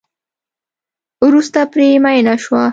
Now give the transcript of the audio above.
وروسته پرې میېنه شوه.